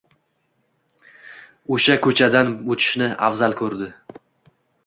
o'sha ko'chadan o'tishni afzal ko'rdi?